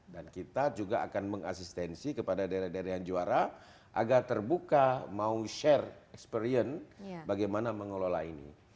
dan kita juga akan mengasistensi kepada daerah daerah yang juara agar terbuka mau share experience bagaimana mengelola ini